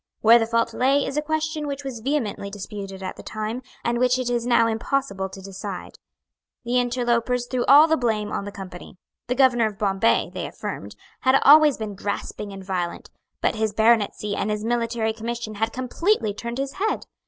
Where the fault lay is a question which was vehemently disputed at the time, and which it is now impossible to decide. The interlopers threw all the blame on the Company. The Governor of Bombay, they affirmed, had always been grasping and violent; but his baronetcy and his military commission had completely turned his head.